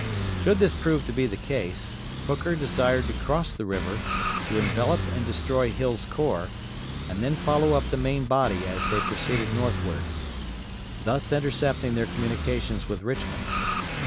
Should this prove to be the case, Hooker desired to cross the river, to envelop and destroy Hill's corps, and then follow up the main body as they proceeded northward, thus intercepting their communications with Richmond.